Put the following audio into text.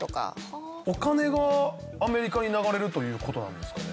お金がアメリカに流れるという事なんですかね？